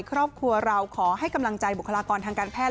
ครอบครัวเราขอให้กำลังใจบุคลากรทางการแพทย์